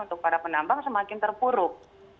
untuk para penambang semakin terpuruk